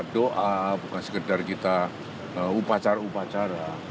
doa bukan sekedar kita upacara upacara